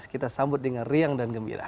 kita sambut dengan riang dan gembira